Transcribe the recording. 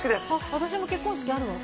私も結婚式あるわ。